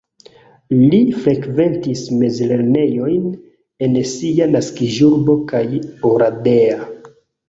Li frekventis mezlernejojn en sia naskiĝurbo kaj Oradea.